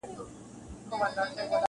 بیا به راسي په سېلونو بلبلکي-